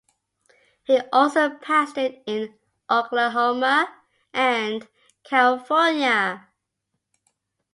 He also pastored in Oklahoma and California.